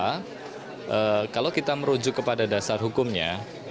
karena kalau kita merujuk kepada dasar hukumnya